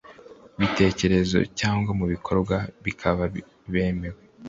bitekerezo cyangwa mu bikorwa bakaba bemewe